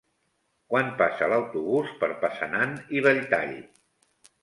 Quan passa l'autobús per Passanant i Belltall?